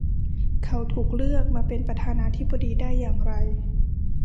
เขาถูกเลือกมาเป็นประธานาธิบดีได้อย่างไร ?